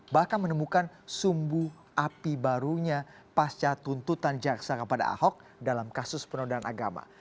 bahkan menemukan sumbu api barunya pasca tuntutan jaksa kepada ahok dalam kasus penodaan agama